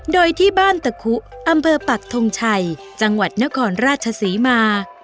โดยที่บ้านตะคุอำเภอปักทงชัยจังหวัดนครราชศรีมา